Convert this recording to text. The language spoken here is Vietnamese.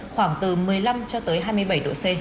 khoảng từ một mươi năm cho tới hai mươi bảy độ c